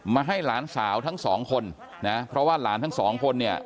ให้หลานสาวทั้งสองคนนะเพราะว่าหลานทั้งสองคนเนี่ย